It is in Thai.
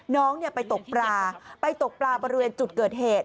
น้องไปตกปลาไปตกปลาบริเวณจุดเกิดเหตุ